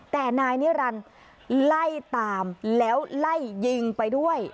แต่นายนิรันดิ์ไล่ตามแล้วไล่ยิงไปด้วย